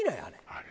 あれ。